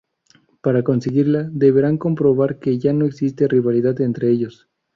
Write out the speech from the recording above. Para conseguirla deberán comprobar que ya no existe rivalidad entre ellos.